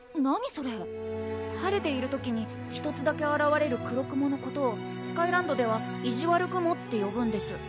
それ晴れている時に１つだけあらわれる黒雲のことをスカイランドではいじわる雲ってよぶんです